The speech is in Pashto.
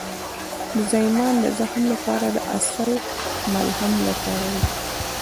د زایمان د زخم لپاره د عسل ملهم وکاروئ